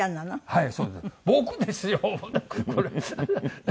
はい。